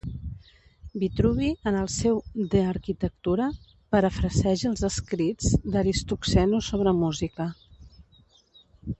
Vitruvi en el seu "De arquitectura" parafraseja els escrits d'Aristoxeno sobre música.